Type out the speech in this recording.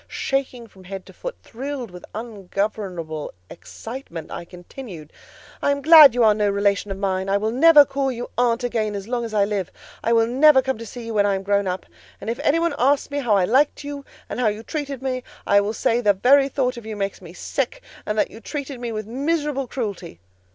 Shaking from head to foot, thrilled with ungovernable excitement, I continued— "I am glad you are no relation of mine: I will never call you aunt again as long as I live. I will never come to see you when I am grown up; and if any one asks me how I liked you, and how you treated me, I will say the very thought of you makes me sick, and that you treated me with miserable cruelty."